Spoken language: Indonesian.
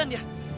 buat dimatah ini